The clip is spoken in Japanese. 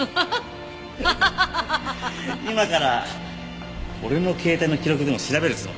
今から俺の携帯の記録でも調べるつもりですか？